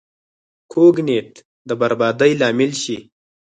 کوږ نیت د بربادۍ لامل شي